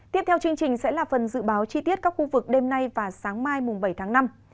tiếp theo chương trình sẽ là phần dự báo chi tiết các khu vực đêm nay và sáng mai bảy tháng năm